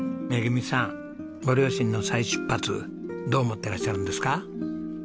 めぐみさんご両親の再出発どう思ってらっしゃるんですか？